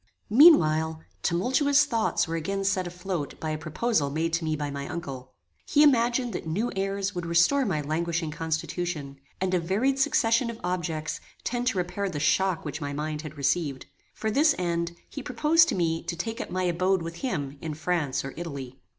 Meanwhile, tumultuous thoughts were again set afloat by a proposal made to me by my uncle. He imagined that new airs would restore my languishing constitution, and a varied succession of objects tend to repair the shock which my mind had received. For this end, he proposed to me to take up my abode with him in France or Italy.